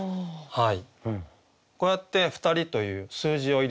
はい。